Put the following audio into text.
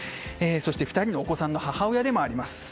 ２人のお子さんの母親でもあります。